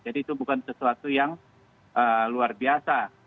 jadi itu bukan sesuatu yang luar biasa